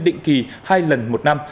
định kỳ hai lần một năm